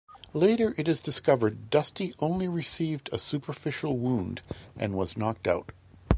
Later it is discovered Dusty only received a superficial wound and was knocked out.